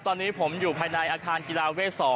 ตอนนี้ผมอยู่ภายในอาคารกีฬาเวท๒